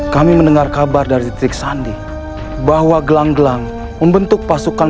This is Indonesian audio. kami mendengar kabar dari titik sandi bahwa gelang gelang membentuk pasukan